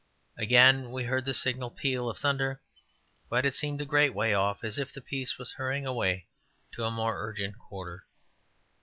Again we heard the signal peal of thunder, but it seemed a great way off, as if the piece was hurrying away to a more urgent quarter.